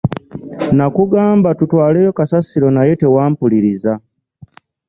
Nakugamba tutwaleyo kasasiro naye tewampuliriza.